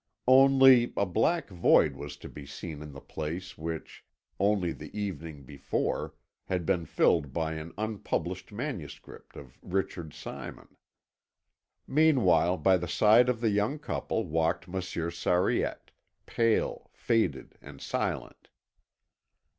Only, a black void was to be seen in the place which, only the evening before, had been filled by an unpublished manuscript of Richard Simon. Meanwhile, by the side of the young couple walked Monsieur Sariette, pale, faded, and silent.